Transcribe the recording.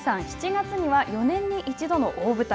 ７月には４年に１度の大舞台